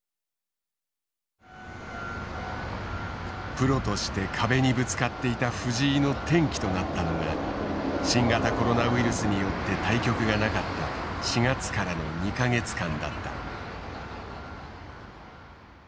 プロとして壁にぶつかっていた藤井の転機となったのが新型コロナウイルスによって対局がなかった４月からの２か月間だった。